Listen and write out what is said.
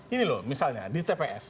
ini loh misalnya di tps